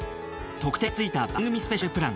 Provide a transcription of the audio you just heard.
特典がついた番組スペシャルプラン。